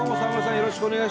よろしくお願いします。